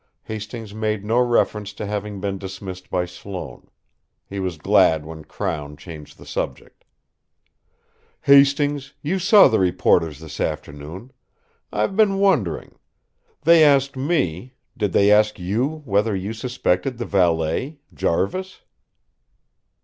Hastings made no reference to having been dismissed by Sloane. He was glad when Crown changed the subject. "Hastings, you saw the reporters this afternoon I've been wondering they asked me did they ask you whether you suspected the valet Jarvis?"